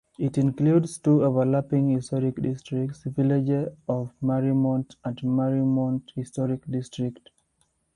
It includes two overlapping historic districts, Village of Mariemont and Mariemont Historic District.